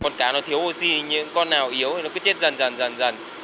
nếu cá thiếu oxy những con nào yếu thì nó cứ chết dần dần dần dần